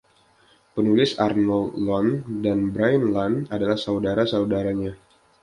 Penulis Arnold Lunn dan Brian Lunn adalah saudara-saudaranya.